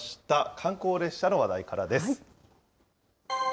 観光列車の話題からです。